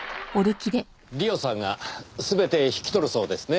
リオさんが全て引き取るそうですねぇ。